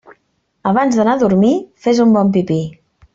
Abans d'anar a dormir, fes un bon pipí.